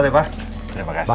selamat ya pak